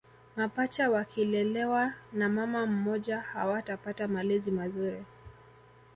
Mapacha wakilelewa na mama mmoja hawatapata malezi mazuri